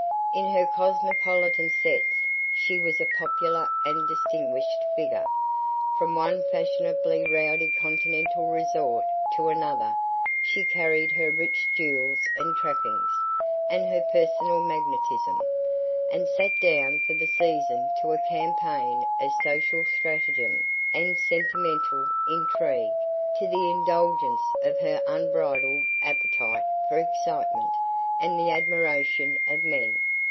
In her cosmopolitan sets she was a popular and distinguished figure. From one fashionably rowdy Continental resort to another she carried her rich jewels and trappings, and her personal magnetism, and sat down for the season to a campaign of social stratagem and sentimental intrigue to the indulgence of her unbridled appetite for excitement and the admiration of men.